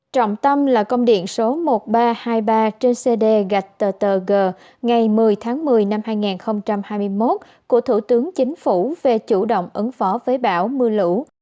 trọng tâm là công điện số một nghìn ba trăm hai mươi ba trên cd gạch tờ ttg ngày một mươi tháng một mươi năm hai nghìn hai mươi một của thủ tướng chính phủ về chủ động ứng phó với bão mưa lũ